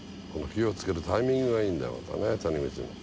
火をつけるタイミングがいいんだろうね谷口の。